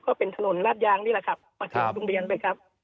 ก็เป็นถนนลาดยางนี่แหละครับมาถึงโรงเรียนเลยครับ